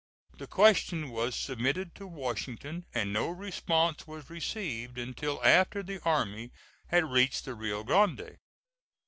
The question was submitted to Washington, and no response was received until after the army had reached the Rio Grande.